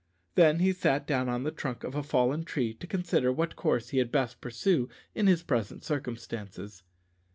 Then he sat down on the trunk of a fallen tree to consider what course he had best pursue in his present circumstances.